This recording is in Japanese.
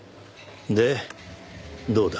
でどうだ？